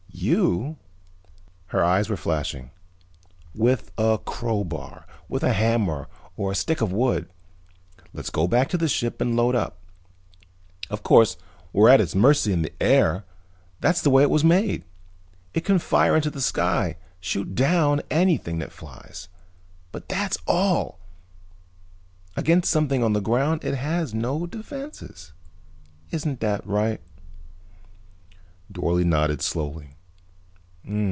"You?" Her eyes were flashing. "With a crowbar. With a hammer or a stick of wood. Let's go back to the ship and load up. Of course we're at its mercy in the air: that's the way it was made. It can fire into the sky, shoot down anything that flies. But that's all! Against something on the ground it has no defenses. Isn't that right?" Dorle nodded slowly.